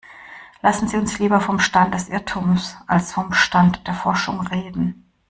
Lassen Sie uns lieber vom Stand des Irrtums als vom Stand der Forschung reden.